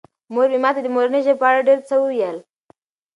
مور مې ماته د مورنۍ ژبې په اړه ډېر څه وویل.